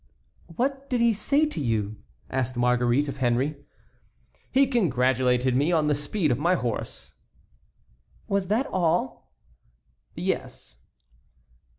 "What did he say to you?" asked Marguerite of Henry. "He congratulated me on the speed of my horse." "Was that all?" "Yes."